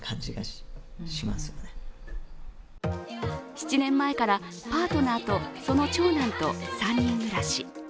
７年前からパートナーとその長男と３人暮らし。